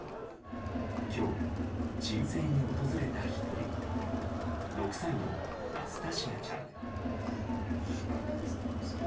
今日申請に訪れた１人６歳のナスタシアちゃん。